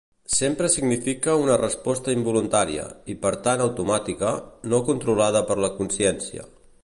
Sempre significa una resposta involuntària, i per tant automàtica, no controlada per la consciència.